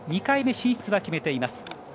２回目進出は決めています。